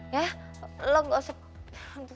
ya lo gak usah